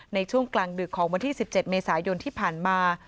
ในช่วงกลางดึกของวันที่๑๗เมษายนที่ผ่านมา